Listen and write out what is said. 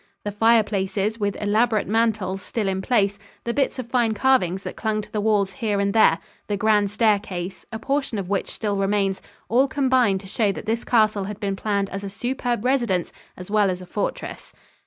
The fire places, with elaborate mantels still in place, the bits of fine carvings that clung to the walls here and there, the grand staircase, a portion of which still remains, all combined to show that this castle had been planned as a superb residence as well as a fortress.